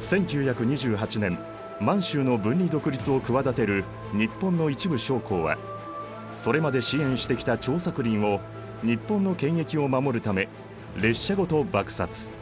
１９２８年満洲の分離独立を企てる日本の一部将校はそれまで支援してきた張作霖を日本の権益を守るため列車ごと爆殺。